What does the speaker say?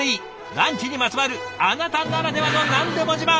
ランチにまつわるあなたならではの何でも自慢。